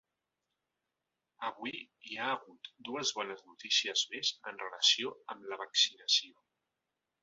Avui hi ha hagut dues bones notícies més en relació amb la vaccinació.